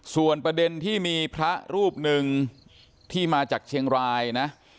ส่วนประเด็นที่มีพระรูปหนึ่งที่มาจากเชียงรายนะ